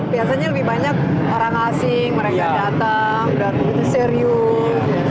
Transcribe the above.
biasanya lebih banyak orang asing mereka datang dan begitu serius